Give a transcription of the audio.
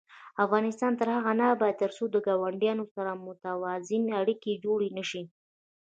افغانستان تر هغو نه ابادیږي، ترڅو له ګاونډیانو سره متوازنې اړیکې جوړې نشي.